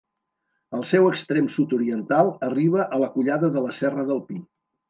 El seu extrem sud-oriental arriba a la Collada de la Serra del Pi.